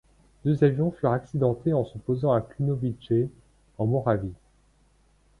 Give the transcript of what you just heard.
Deux avions furent accidentés en se posant à Kunovice, en Moravie.